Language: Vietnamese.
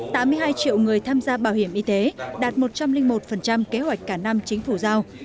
tám mươi hai triệu người tham gia bảo hiểm y tế đạt một trăm linh một kế hoạch cả năm chính phủ giao